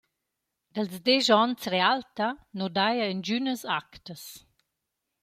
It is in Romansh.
Dals desch ons Realta nu daja ingünas actas.